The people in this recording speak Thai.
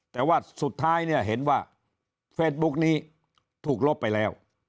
แต่ว่าสุดท้ายเนี่ยเห็นว่าเฟซบุ๊กนี้ถูกลบไปแล้ว